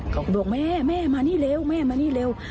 เขาบอกดวงแม่แม่มานี่เร็วแม่มานี่เร็ว